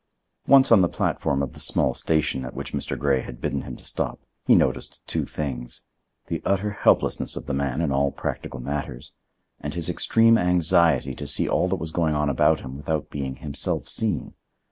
Once on the platform of the small station at which Mr. Grey had bidden him to stop, he noticed two things: the utter helplessness of the man in all practical matters, and his extreme anxiety to see all that was going on about him without being himself seen.